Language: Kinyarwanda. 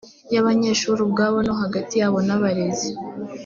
y abanyeshuri ubwabo no hagati yabo n abarezi